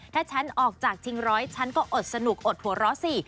ถ้าฉันออกจากชิงร้อยฉันก็อดสนุกอดหัวเราะสิ